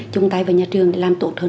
chung tay với nhà trường để làm tốt hơn